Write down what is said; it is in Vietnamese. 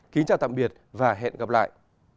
kính chào tạm biệt và hẹn gặp lại